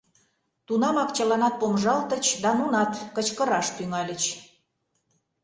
Тунамак чыланат помыжалтыч да нунат кычкыраш тӱҥальыч.